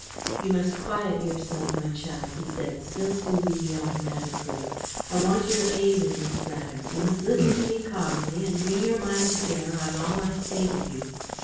"You must quiet yourself, my child," he said, still soothing me automatically. "I want your aid in this matter. You must listen to me calmly, and bring your mind to bear on all I say to you."